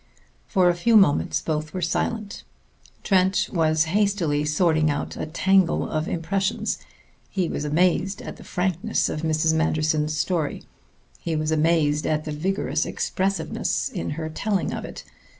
For a few moments both were silent. Trent was hastily sorting out a tangle of impressions. He was amazed at the frankness of Mrs. Manderson's story. He was amazed at the vigorous expressiveness in her telling of it.